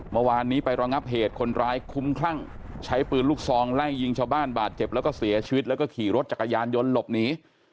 เมื่อวานนี้ไประงับเหตุคนร้ายคุ้มคลั่งใช้ปืนลูกซองไล่ยิงชาวบ้านบาดเจ็บแล้วก็เสียชีวิตแล้วก็ขี่รถจักรยานยนต์หลบหนี